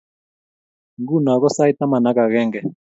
Nguno ko sait taman ak akenge